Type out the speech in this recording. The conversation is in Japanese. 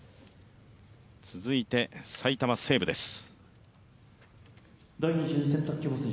続いて埼玉西武です。